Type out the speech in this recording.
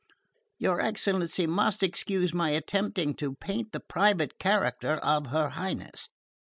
Your excellency must excuse my attempting to paint the private character of her Highness.